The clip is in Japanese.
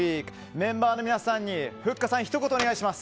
メンバーの皆さんにふっかさん、ひと言お願いします。